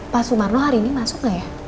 pak sumarno hari ini masuk nggak ya